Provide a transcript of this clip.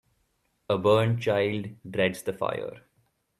A burnt child dreads the fire.